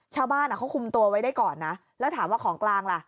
ชาวบ้านอ่ะเขาคุมตัวไว้ได้ก่อนนะแล้วถามว่าของกลางล่ะ